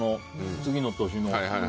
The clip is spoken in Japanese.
次の年の。